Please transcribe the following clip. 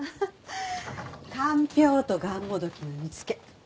かんぴょうとがんもどきの煮付け。